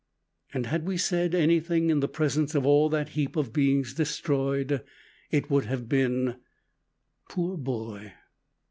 And had we said anything in the presence of all that heap of beings destroyed, it would have been "Poor boy!"